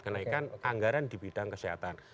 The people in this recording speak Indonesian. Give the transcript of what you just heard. kenaikan anggaran di bidang kesehatan